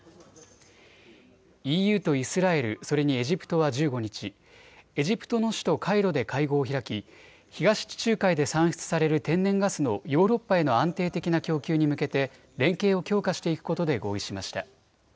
ＥＵとイスラエル、それにエジプトは１５日、エジプトの首都カイロで会合を開き、東地中海で産出される天然ガスのヨーロッパへの安定的な供給に向けて連携を強化していくことで合意しました。